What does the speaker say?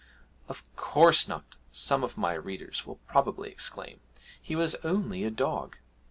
'Of course not,' some of my readers will probably exclaim, 'he was only a dog!'